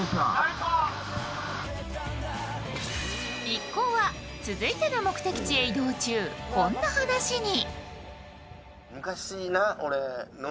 一行は続いての目的地に移動中、こんな話を。